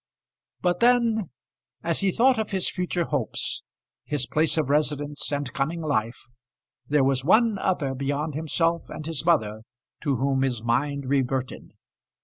But then, as he thought of his future hopes, his place of residence and coming life, there was one other beyond himself and his mother to whom his mind reverted.